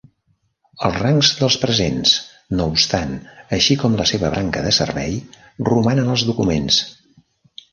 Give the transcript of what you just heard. Els rangs dels presents, no obstant, així com la seva branca de servei, roman en els documents.